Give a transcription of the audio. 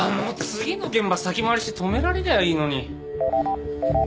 次の現場先回りして止められりゃいいのに。